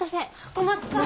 小松さん！